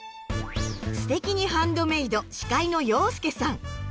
「すてきにハンドメイド」司会の洋輔さん。